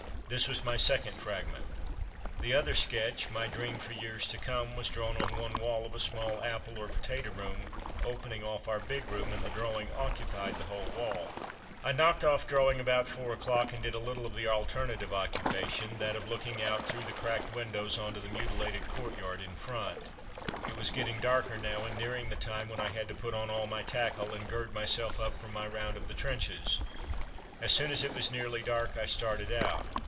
This was my second "Fragment." The other sketch, "My dream for years to come," was drawn on one wall of a small apple or potato room, opening off our big room, and the drawing occupied the whole wall. [Illustration: porters] I knocked off drawing about four o'clock, and did a little of the alternative occupation, that of looking out through the cracked windows on to the mutilated courtyard in front. It was getting darker now, and nearing the time when I had to put on all my tackle, and gird myself up for my round of the trenches. As soon as it was nearly dark I started out.